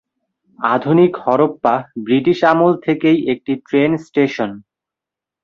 আধুনিক হরপ্পা ব্রিটিশ আমল থেকেই একটি ট্রেন স্টেশন।